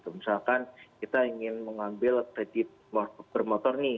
misalkan kita ingin mengambil kredit bermotor nih